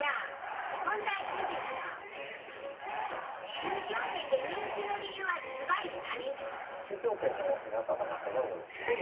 中京圏で人気の理由はずばり何？